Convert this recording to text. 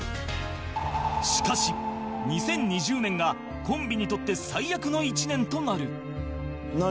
しかし２０２０年がコンビにとって最悪の１年となる何？